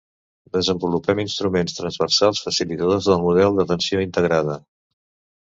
Desenvolupem instruments transversals facilitadors del model d'atenció integrada.